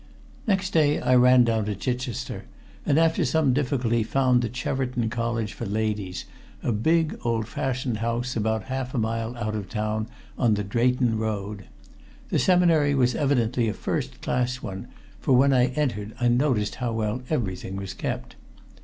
Next day I ran down to Chichester, and after some difficulty found the Cheverton College for Ladies, a big old fashioned house about half a mile out of the town on the Drayton Road. The seminary was evidently a first class one, for when I entered I noticed how well everything was kept.